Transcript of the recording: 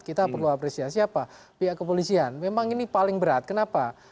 kita perlu apresiasi apa pihak kepolisian memang ini paling berat kenapa